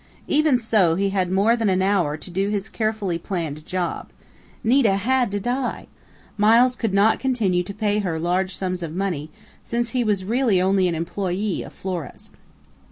Even so, he had more than an hour to do his carefully planned job.... Nita had to die! Miles could not continue to pay her large sums of money, since he was really only an employe of Flora's.